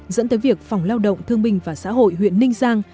dẫn tới việc phòng lao động thương minh và xã hội huyện ninh giang